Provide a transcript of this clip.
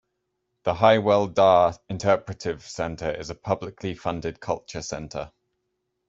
The Hywel Dda Interpretive Centre is a publicly funded culture centre.